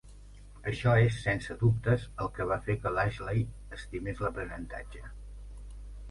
Això és, sense dubtes, el que va fer que Lashley estimés l'aprenentatge.